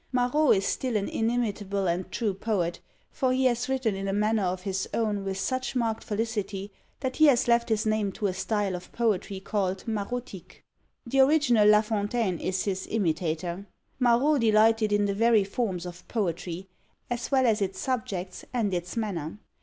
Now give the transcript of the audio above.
Marot is still an inimitable and true poet, for he has written in a manner of his own with such marked felicity, that he has left his name to a style of poetry called Marotique. The original La Fontaine is his imitator. Marot delighted in the very forms of poetry, as well as its subjects and its manner.